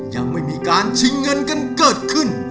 ยังไม่มีการชิงเงินกันเกิดขึ้น